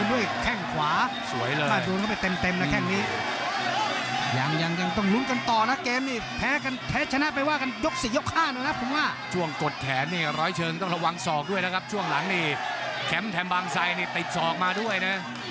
ร้อยเชิงต้องระวังศอกด้วยนะครับช่วงหลังนี่แคมป์แถมบางไซด์ติดศอกมาด้วยนะ